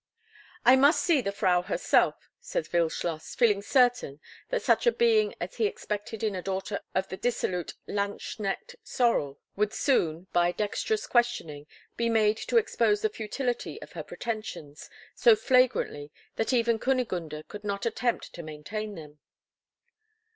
"I must see the Frau herself," said Wildschloss, feeling certain that such a being as he expected in a daughter of the dissolute lanzknecht Sorel would soon, by dexterous questioning, be made to expose the futility of her pretensions so flagrantly that even Kunigunde could not attempt to maintain them.